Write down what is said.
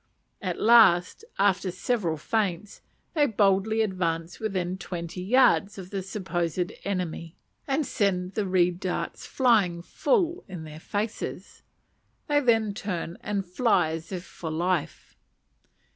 At last, after several feints, they boldly advance within twenty yards of the supposed enemy, and send the reed darts flying full in their faces: then they turn and fly as if for life.